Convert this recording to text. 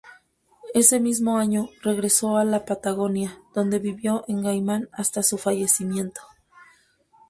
Ese mismo año, regresó a la Patagonia, donde vivió en Gaiman hasta su fallecimiento.